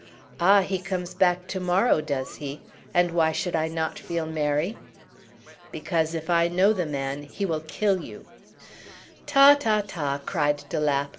"Ah! he comes back to morrow, does he? And why should I not feel merry? "Because, if I know the man, he will kill you." "Ta, ta, ta!" cried de Lapp.